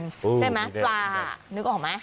ใช่ไหมปลานึกออกไหม